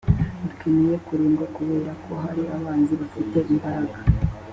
dukeneye kurindwa kubera ko hari abanzi bafite imbaraga